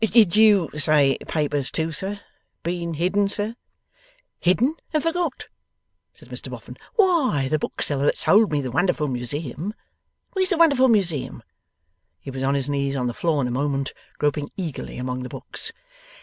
Did you say papers too, sir? Been hidden, sir?' 'Hidden and forgot,' said Mr Boffin. 'Why the bookseller that sold me the Wonderful Museum where's the Wonderful Museum?' He was on his knees on the floor in a moment, groping eagerly among the books.